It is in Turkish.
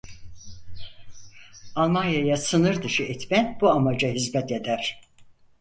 Almanya'ya sınırdışı etme bu amaca hizmet eder.